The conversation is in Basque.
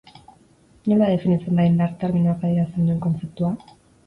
Nola definitzen da indar terminoak adierazten duen kontzeptua?